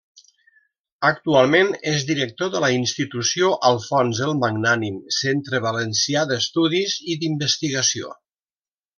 Actualment és director de la Institució Alfons el Magnànim-Centre Valencià d'Estudis i d'Investigació.